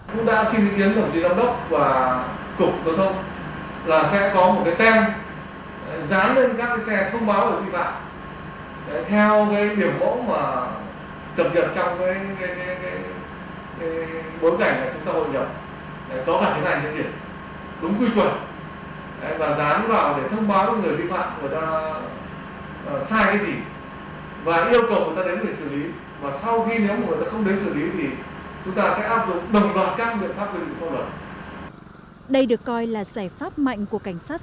chúng ta xin thức kiến đồng chí giám đốc và cục giao thông là sẽ có một cái tem dán lên các xe thông báo về vi phạm theo cái biểu mẫu mà tập nhập trong cái bối cảnh mà chúng ta hội nhập